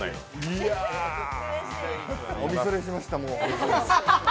いや、おみそれしました。